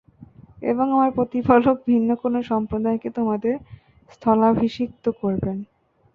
এবং আমার প্রতিপালক ভিন্ন কোন সম্প্রদায়কে তোমাদের স্থলাভিষিক্ত করবেন।